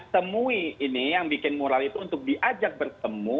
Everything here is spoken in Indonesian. ditemui ini yang bikin moral itu untuk diajak bertemu